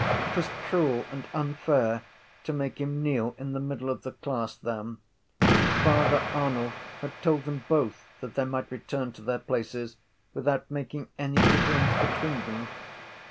It was cruel and unfair to make him kneel in the middle of the class then: and Father Arnall had told them both that they might return to their places without making any difference between them.